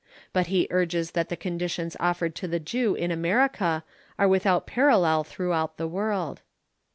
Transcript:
But he urges that the conditions offered to the Jew in America are without parallel throughout the world.